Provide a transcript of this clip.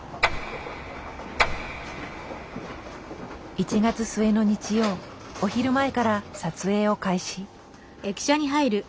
１月末の日曜お昼前から撮影を開始。